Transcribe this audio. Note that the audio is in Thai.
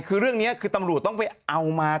คือเรื่องนี้คือตำรวจต้องไปเอามา